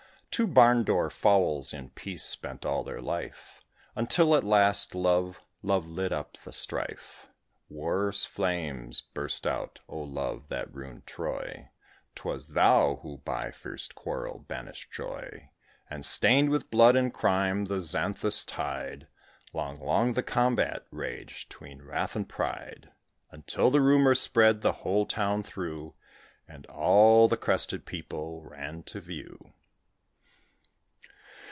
Two Barn door Fowls in peace spent all their life, Until, at last, love, love lit up the strife: War's flames burst out. O Love! that ruined Troy, 'Twas thou who, by fierce quarrel, banished joy, And stained with blood and crime the Xanthus' tide! Long, long the combat raged 'tween wrath and pride, Until the rumour spread the whole town through, And all the crested people ran to view.